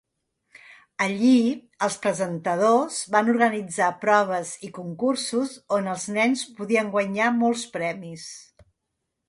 Allí els presentadors van organitzar proves i concursos on els nens podien guanyar molts premis.